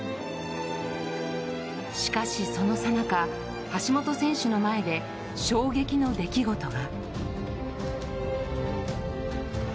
しかし、そのさなか橋本選手の前で衝撃の出来事が。